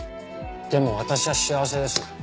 でも私は幸せです。